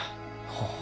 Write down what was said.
はあ。